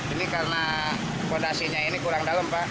ini karena fondasinya ini kurang dalam pak